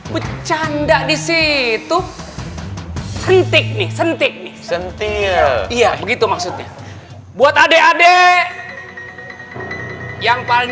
bercanda disitu sentik sentik sentik iya begitu maksudnya buat adek adek yang paling